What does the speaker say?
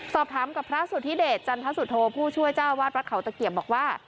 สอบถามกับพระสุธิเดชจันทสุโธผู้ช่วยเจ้าวาดวัดเขาตะเกียบบอกว่า